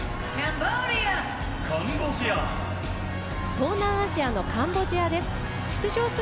東南アジアのカンボジアです。